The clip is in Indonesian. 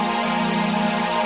berjaya juga dengan kebaikan